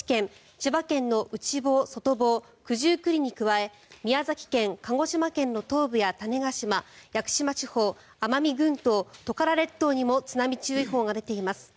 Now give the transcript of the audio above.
千葉県の内房、外房九十九里に加え宮崎県、鹿児島県の東部や屋久島地方奄美群島、トカラ列島にも津波注意報が出ています。